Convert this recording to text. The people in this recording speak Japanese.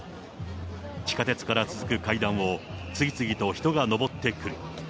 地下鉄から続く階段を次々と人が上ってくる。